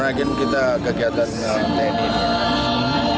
karena kita kegiatan dengan penipuan